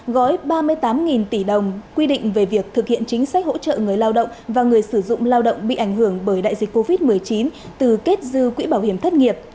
gói ba mươi tám tỷ đồng quy định về việc thực hiện chính sách hỗ trợ người lao động và người sử dụng lao động bị ảnh hưởng bởi đại dịch covid một mươi chín từ kết dư quỹ bảo hiểm thất nghiệp